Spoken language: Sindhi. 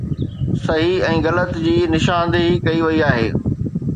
صحيح ۽ غلط جي نشاندهي ڪئي وئي آهي